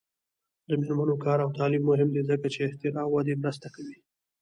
د میرمنو کار او تعلیم مهم دی ځکه چې اختراع ودې مرسته کوي.